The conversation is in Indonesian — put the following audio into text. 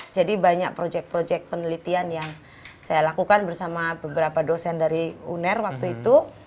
jadi banyak proyek proyek penelitian yang saya lakukan bersama beberapa dosen dari uner waktu itu